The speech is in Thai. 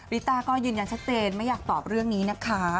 ต้าก็ยืนยันชัดเจนไม่อยากตอบเรื่องนี้นะคะ